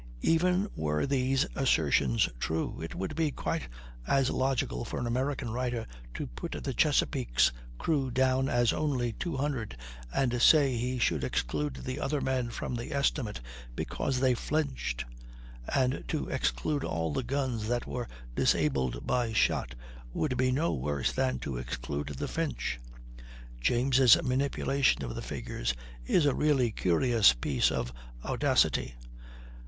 Even were these assertions true, it would be quite as logical for an American writer to put the Chesapeake's crew down as only 200, and say he should exclude the other men from the estimate because they flinched; and to exclude all the guns that were disabled by shot, would be no worse than to exclude the Finch. James' manipulation of the figures is a really curious piece of audacity.